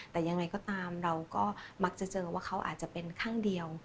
แต่ยังไงก็ตามเราก็มักจะเจอว่าเขาอาจจะเป็นข้างเดียว